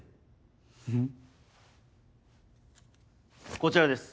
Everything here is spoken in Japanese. こちらです。